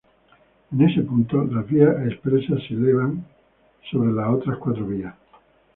En este punto, las vías expresas se "elevan" sobre las otras cuatro vías.